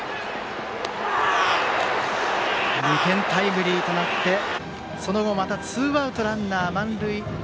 ２点タイムリーとなってその後、またツーアウトランナー、満塁。